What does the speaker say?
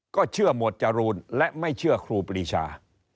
ก็เชื่อหมวดจรูนและไม่เชื่อครูปรีชา